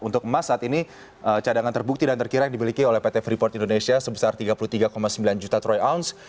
untuk emas saat ini cadangan terbukti dan terkira yang dimiliki oleh pt freeport indonesia sebesar tiga puluh tiga sembilan juta troy ounce